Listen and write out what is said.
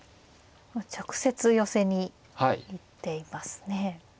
直接寄せに行っていますね。